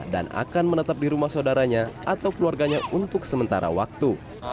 dan akan menetap di rumah saudaranya atau keluarganya untuk sementara waktu